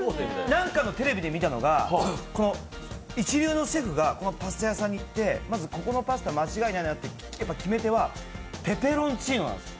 何かのテレビで見たのが一流のシェフがパスタ屋さんに行ってまずここのパスタ、間違いないなと決め手はペペロンチーノなんです。